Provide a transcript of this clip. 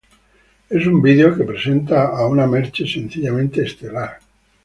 Es un vídeo que presenta a una Merche sencillamente estelar.